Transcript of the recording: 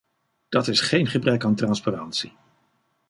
Dat is geen gebrek aan transparantie.